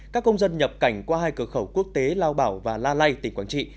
các công dân nhập cảnh qua hai cửa khẩu quốc tế lao bảo và la lây tỉnh quảng trị